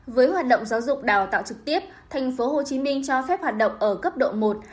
với hoạt động giáo dục đào tạo trực tiếp tp hcm cho phép hoạt động ở cấp độ một